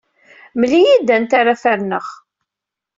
Mel-iyi-d anta ara ferneɣ.